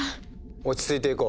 落ち着いていこう。